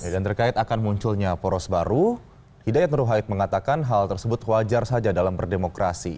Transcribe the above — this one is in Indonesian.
dan terkait akan munculnya poros baru hidayat nur wahid mengatakan hal tersebut wajar saja dalam berdemokrasi